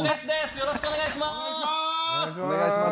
よろしくお願いします。